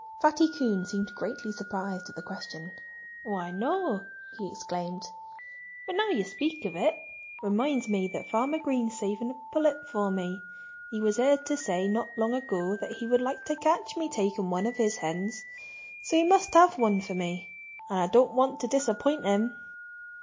Fatty Coon seemed greatly surprised at the question. "Why—no!" he exclaimed. "But now that you speak of it, it reminds me that Farmer Green's saving a pullet for me. He was heard to say not long ago that he would like to catch me taking one of his hens. So he must have one for me. And I don't want to disappoint him."